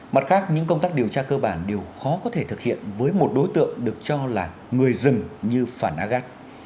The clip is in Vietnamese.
mặt khác những công tác điều tra cơ bản đều khó có thể thực hiện với một đối tượng được cho là người dừng như phản á gác